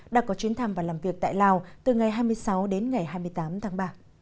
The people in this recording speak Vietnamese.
đã có chuyến thăm và làm việc tại lào từ ngày hai mươi sáu đến ngày hai mươi tám tháng ba